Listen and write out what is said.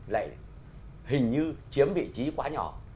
lại hình như chiếm vị trí quá nhỏ